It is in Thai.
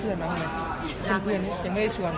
เพื่อนยังไม่ได้ชวน